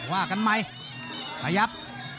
ว่ากันใหม่ขยับ